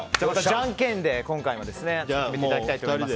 じゃんけんで今回は決めていただきたいと思います。